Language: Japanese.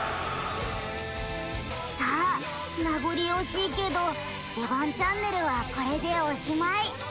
さあ名残惜しいけど『デバンチャンネル』はこれでおしまい。